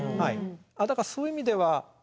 だからそういう意味ではワンちゃん。